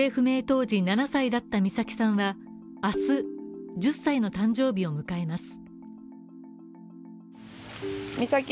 当時７歳だった美咲さんは明日、１０歳の誕生日を迎えます。